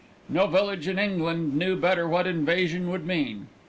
No village in England knew better what invasion would mean.